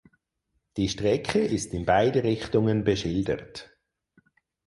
Die Strecke ist in beide Richtungen beschildert.